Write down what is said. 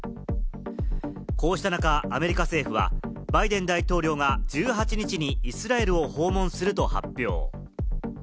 こうした中、アメリカ政府はバイデン大統領が１８日にイスラエルを訪問すると発表。